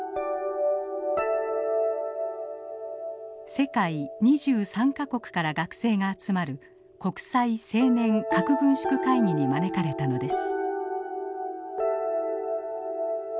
世界２３か国から学生が集まる国際青年核軍縮会議に招かれたのです。